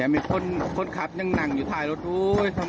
ไม่รอดแล้วอะ